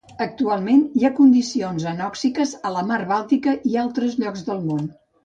Actualment hi ha condicions anòxiques a la Mar Bàltica i altres llocs del món.